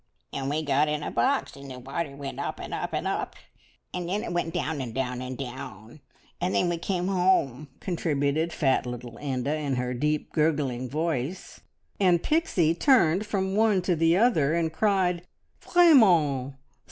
"An' we got in a box, and the water went up, an' up, an' up, an' then it went down, an' down, an' down, an' then we came home," contributed fat little Inda in her deep, gurgling voice, and Pixie turned from one to the other and cried, "Vraiment!"